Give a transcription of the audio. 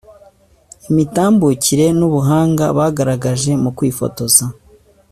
imitambukire n’ubuhanga bagaragaje mu kwifotoza